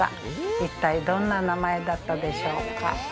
一体どんな名前だったでしょうか？